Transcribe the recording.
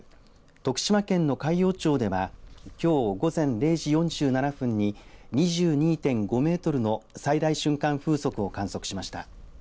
徳島県の海陽町ではきょう午前０時４７分に２２．５メートルの最大瞬間風速を観測しました。